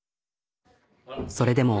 それでも。